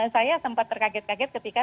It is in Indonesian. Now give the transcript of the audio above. saya sempat terkaget kaget ketika